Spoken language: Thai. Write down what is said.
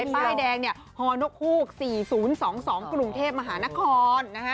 ป้ายแดงเนี่ยฮฮ๔๐๒๒กรุงเทพฯมหานคร